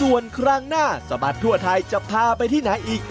ส่วนครั้งหน้าสะบัดทั่วไทยจะพาไปที่ไหนอีก